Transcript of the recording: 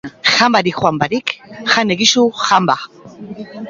Jan barik joan barik Jan egizu Jan ba